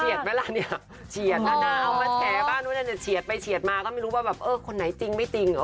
เฉียดมั้ยล่ะเนี่ยเฉียดนะเอามาแชร์บ้างนู้นแต่เฉียดไปเฉียดมาก็ไม่รู้ว่าคนไหนจริงไม่จริง